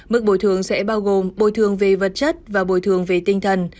mức bồi thường sẽ bao gồm bồi thường về vật chất và bồi thường về tinh thần